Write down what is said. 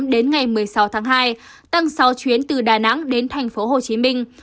đến ngày một mươi sáu tháng hai tăng sáu chuyến từ đà nẵng đến tp hcm